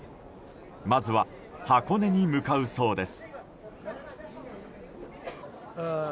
まずは箱根に向かうそうです。